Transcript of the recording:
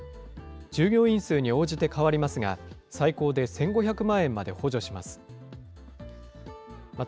従業員数に応じて変わりますが、最高で１５００万円まで補助します。